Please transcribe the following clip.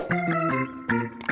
terima kasih pak ustadz